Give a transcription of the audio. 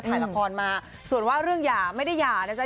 ถ่ายละครมาส่วนว่าเรื่องหย่าไม่ได้หย่านะจ๊